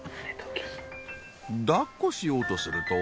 抱っこしようとすると。